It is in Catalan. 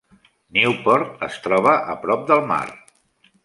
Nieuwpoort es troba a prop del mar.